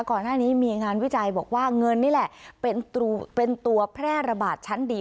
ก่อนหน้านี้มีงานวิจัยบอกว่าเงินนี่แหละเป็นตัวแพร่ระบาดชั้นดี